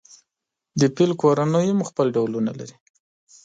د فیل کورنۍ هم خپل ډولونه لري.